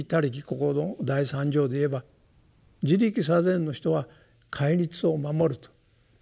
ここの第三条で言えば「自力作善」の人は戒律を守ると。